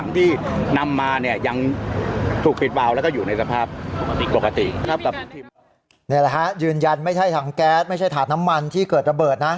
นี่แหละฮะยืนยันไม่ใช่ถังแก๊สไม่ใช่ถาดน้ำมันที่เกิดระเบิดนะ